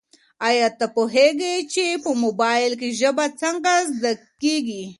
ایا ته پوهېږې چي په موبایل کي ژبه څنګه زده کیږي؟